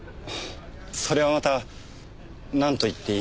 それはまたなんと言っていいか。